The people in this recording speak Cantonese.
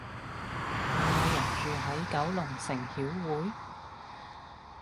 有無人住喺九龍城曉薈？